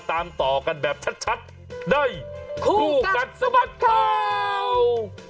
ตามต่อกันแบบชัดได้คู่กับสบัติข่าว